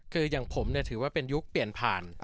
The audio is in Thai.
คืออย่างผมถือว่าเป็นยุคเปลี่ยนผ่าน